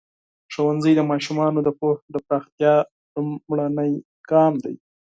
ښوونځی د ماشومانو د پوهې د پراختیا لومړنی ګام دی.